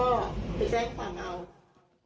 อยากได้อะไรก็ไปแสรงฝังเอา